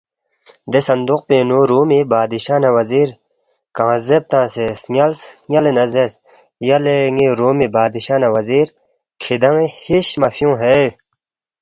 دے صندوق پِنگ نُو رُومی بادشاہ نہ وزیرکنگ زدیب تنگسے سن٘یالس، سن٘یالے نہ زیرس، یلے ن٘ی رُومی بادشاہ نہ وزیر، کِھدان٘ی ہِش مہ فِیُونگ ہے